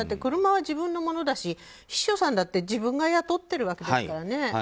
車は自分のものだし秘書さんだって自分が雇ってるわけですから。